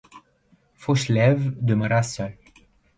Fauchelevent demeura seul.